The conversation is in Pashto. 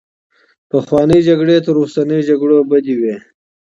پخوانۍ جګړې تر اوسنيو جګړو بدې وې.